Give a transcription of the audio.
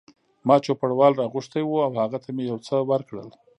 ما چوپړوال را غوښتی و او هغه ته مې یو څه ورکړل.